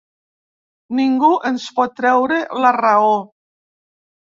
Ningú ens pot treure la raó.